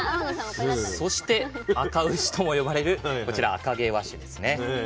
そしてあか牛とも呼ばれるこちら褐毛和種ですね。